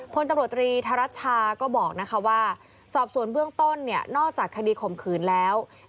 พลตำรวจตรีธรัชชาก็บอกว่าสอบส่วนเบื้องต้นเนี่ยนอกจากคดีข่มขืนแล้ว